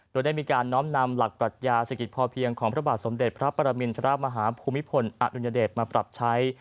โดยได้มีการน้อมนำหลักปรัชญาเศรษฐกิจพอเพียงของพระบาทสมเด็จพระปรมินทรมาฮาภูมิพลอดุญเดชมาปรับใช้